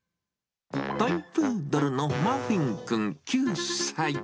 トイプードルのマフィンくん９歳。